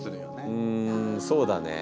うんそうだね。